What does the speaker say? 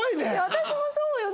私もそうよ。